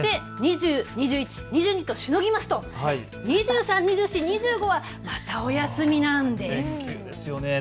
２０、２１、２２としのぎますと２３、２４、２５はまたお休みなんです。